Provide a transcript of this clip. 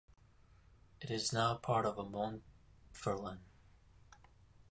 It is now a part of Montferland.